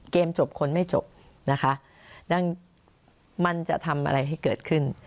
เกมจบคนไม่จบนะคะดังมันจะทำอะไรให้เกิดขึ้น